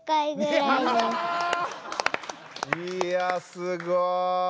いやすごい。